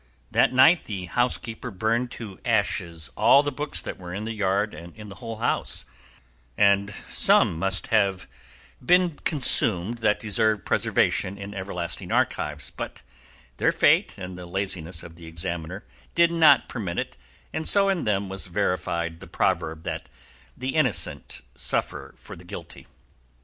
That night the housekeeper burned to ashes all the books that were in the yard and in the whole house; and some must have been consumed that deserved preservation in everlasting archives, but their fate and the laziness of the examiner did not permit it, and so in them was verified the proverb that the innocent suffer for the guilty.